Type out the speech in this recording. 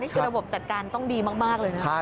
นี่คือระบบจัดการต้องดีมากเลยนะครับ